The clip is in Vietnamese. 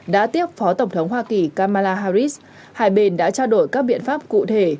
đã tiếp phó tổng thống hoa kỳ kamala harris hai bên đã trao đổi các biện pháp cụ thể